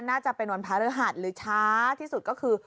น่าจะเป็นวันพระฤหัสหรือช้าที่สุดก็คือ